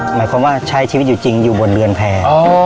หมายความว่าใช้ชีวิตอยู่จริงอยู่บนเรือนแพร่